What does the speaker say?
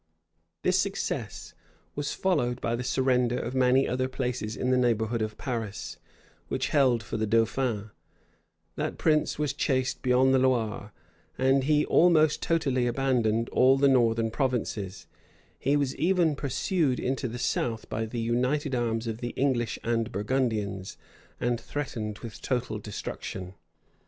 This success was followed by the surrender of many other places in the neighborhood of Paris, which held for the dauphin: that prince was chased beyond the Loire, and he almost totally abandoned all the northern provinces: he was even pursued into the south by the united arms of the English and Burgundians, and threatened with total destruction.